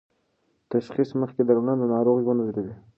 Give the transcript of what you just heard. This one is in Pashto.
تشخیص مخکې درملنه د ناروغ ژوند اوږدوي.